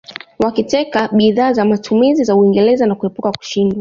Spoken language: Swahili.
Wakiteka bidhaa za matumizi za Uingereza na kuepuka kushindwa